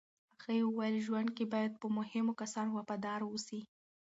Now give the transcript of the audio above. هغې وویل، ژوند کې باید په مهمو کسانو وفادار اوسې.